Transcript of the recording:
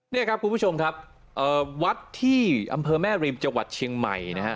นี่ครับคุณผู้ชมครับวัดที่อำเภอแม่ริมจังหวัดเชียงใหม่นะฮะ